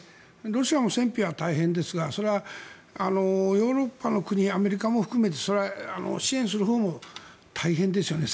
ロシアも戦費は大変ですがそれはヨーロッパの国アメリカも含めてそれは支援するほうも大変ですよね。